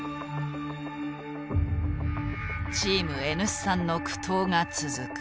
チームＮ産の苦闘が続く。